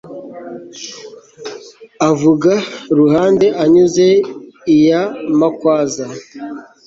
avuga ruhande anyuze iya makwaza